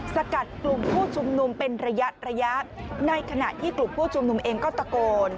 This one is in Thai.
สกัดกลุ่มผู้ชุมนุมเป็นระยะระยะในขณะที่กลุ่มผู้ชุมนุมเองก็ตะโกน